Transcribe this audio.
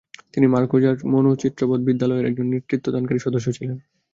তিনি মাজোর্কার মানচিত্রবৎ বিদ্যালয়-এর একজন নেতৃত্বদানকারী সদস্য ছিলেন।